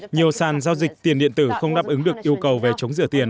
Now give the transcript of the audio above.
nhiều sàn giao dịch tiền điện tử không đáp ứng được yêu cầu về chống rửa tiền